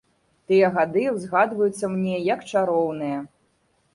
Тыя гады ўзгадваюцца мне як чароўныя.